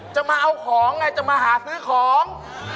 จะมาเอาของไงจะมาหาซื้อของ